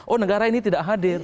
oh negara ini tidak hadir